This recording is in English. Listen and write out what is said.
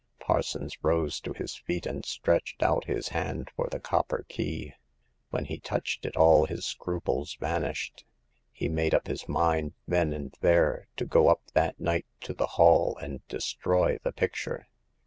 Parsons rose to his feet and stretched out his hand for the cop per key. When he touched it, all his scruples vanished. He made up his mind then and there to go up that night to the Hall and destroy the picture.